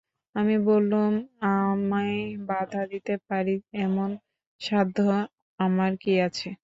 আমি বললুম, আমি বাধা দিতে পারি এমন সাধ্য আমার কী আছে!